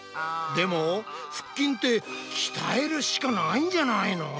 でも腹筋って鍛えるしかないんじゃないの？